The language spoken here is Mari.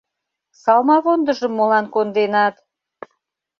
Салмавондыжым молан конденат?